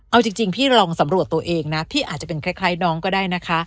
เอาจริงพี่ลองสำรวจตัวเองนะที่อาจจะเป็นคล้ายน้องก็ได้นะคะ